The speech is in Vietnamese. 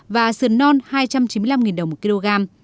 và sườn non hai trăm chín mươi năm đồng một kg